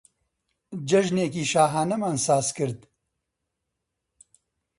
جەژنێکی شاهانەمان ساز دا.